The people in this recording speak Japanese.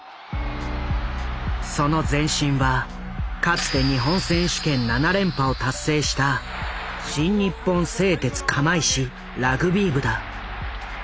その前身はかつて日本選手権７連覇を達成した新日本製鉄釜石ラグビー部だ。